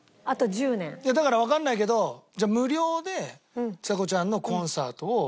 いやだからわかんないけど無料でちさ子ちゃんのコンサートを。